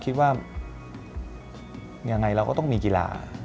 คิดว่ายังไงเราก็ต้องมีกีฬา